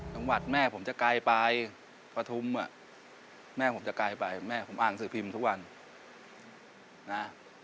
จังหวัดแม่ผมจะไกลไปพฐุมแม่ผมจะไกลไปแม่ผมอ่านหนังสือพิมพ์ทุกวันนะ